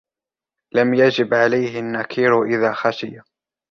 لَمْ يَجِبْ عَلَيْهِ النَّكِيرُ إذَا خَشِيَ